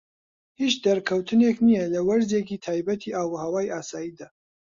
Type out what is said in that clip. هیچ دەرکەوتنێک نیە لە وەرزێکی تایبەتی ئاوهەوای ئاساییدا.